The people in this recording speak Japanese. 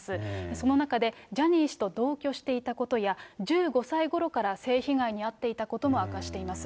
その中で、ジャニー氏と同居していたことや、１５歳ごろから性被害に遭っていたことも明かしています。